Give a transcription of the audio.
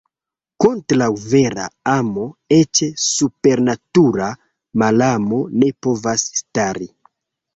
Kontraŭ vera amo eĉ supernatura malamo ne povas stari.